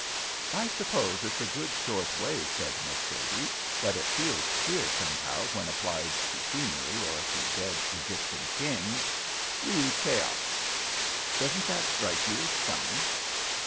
"I suppose it's a good short way," said Miss Sadie, "but it feels queer somehow when applied to scenery or to dead Egyptian kings. 'Re Cheops,' doesn't that strike you as funny?"